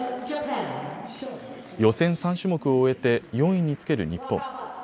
予選３種目を終えて４位につける日本。